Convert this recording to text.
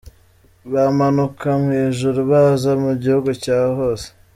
Bamanuka mu ijuru baza mu gihugu cyo hasi.